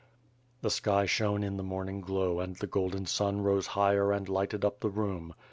'' The sky shone in the morning glow and the golden sun rose higher and lighted up the room.